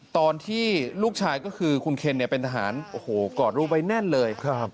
ตอนที่ลูกชายก็คือคุณเคนเป็นทหารกอดรูปไว้แน่นเลยครับ